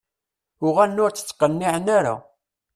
Uɣalen ur tt-ttqiniɛen ara .